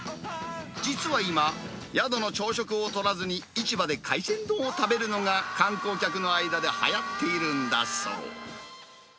実は今、宿の朝食をとらずに、市場で海鮮丼を食べるのが、観光客の間ではやっているんだそう。